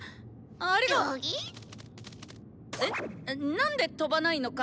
「何で飛ばないのか」